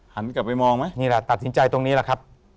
หันกลับไปมองไหมนี่แหละตัดสินใจตรงนี้แหละครับ